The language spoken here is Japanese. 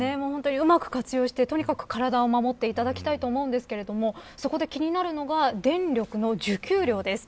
うまく活用して、とにかく体を守っていただきたいと思うんですがそこで気になるのが電力の需給量です。